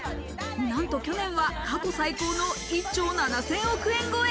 何と去年は過去最高の１兆７０００億円超え。